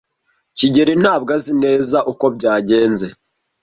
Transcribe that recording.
kigeli ntabwo azi neza uko byagenze.